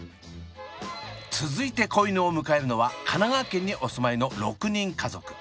続いて子犬を迎えるのは神奈川県にお住まいの６人家族。